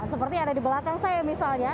seperti yang ada di belakang saya misalnya